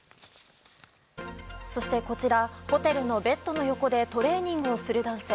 そして、こちらホテルのベッドの横でトレーニングをする男性。